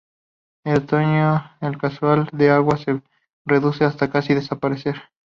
En otoño el caudal de agua se reduce hasta casi desaparecer.